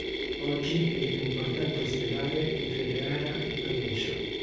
Oggi è il più importante ospedale di Ferrara e provincia.